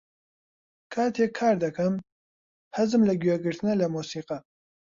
کاتێک کار دەکەم، حەزم لە گوێگرتنە لە مۆسیقا.